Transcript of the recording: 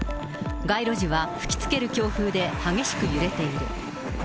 街路樹は吹きつける強風で激しく揺れている。